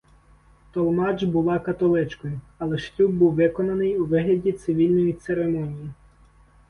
Толмадж була католичкою, але шлюб був виконаний у вигляді цивільної церемонії.